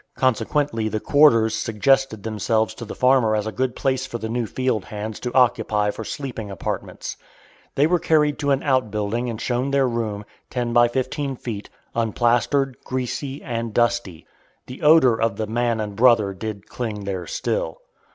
Consequently the "quarters" suggested themselves to the farmer as a good place for the new field hands to occupy for sleeping apartments. They were carried to an out building and shown their room, ten by fifteen feet, unplastered, greasy, and dusty. The odor of the "man and brother" did cling there still.